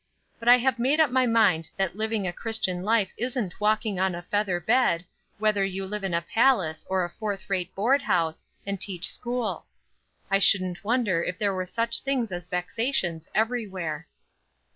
But I have made up my mind that living a Christian life isn't walking on a feather bed, whether you live in a palace or a fourth rate board house, and teach school. I shouldn't wonder if there were such things as vexations everywhere."